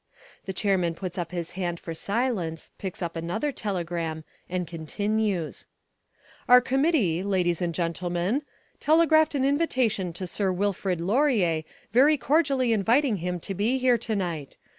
The chairman puts up his hand for silence, picks up another telegram and continues, "Our committee, ladies and gentlemen, telegraphed an invitation to Sir Wilfrid Laurier very cordially inviting him to be here to night.